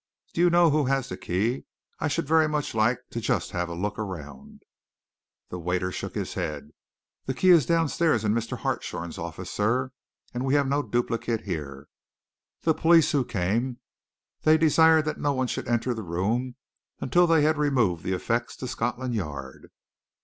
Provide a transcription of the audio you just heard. "Do you know who has the key? I should very much like just to have a look around." The waiter shook his head. "The key is downstairs in Mr. Hartshorn's office, sir, and we have no duplicate here. The police who came, they desired that no one should enter the room until they had removed the effects to Scotland Yard."